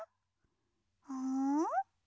うん？